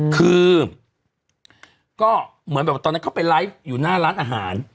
คือก็เหมือนแบบตอนนั้นเขาไปไลฟ์อยู่หน้าร้านอาหาร